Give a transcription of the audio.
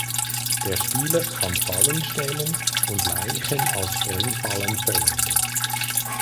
Der Spieler kann Fallen stellen und Leichen als Sprengfallen verwenden.